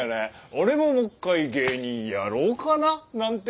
俺ももっかい芸人やろうかななんて。